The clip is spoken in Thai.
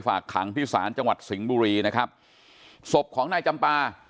ฝากขังที่ศาลจังหวัดสิงห์บุรีนะครับศพของนายจำปา